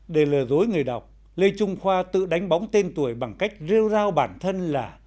để lừa dối người đọc lê trung khoa tự đánh bóng tên tuổi bằng cách rêu rao bản thân là